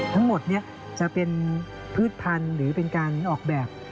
ทั้งหมดนี้จะเป็นพืชพันธุ์หรือเป็นการออกแบบ